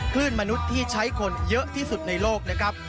คลื่นมนุษย์ที่ใช้คนเยอะที่สุดในโลกนะครับ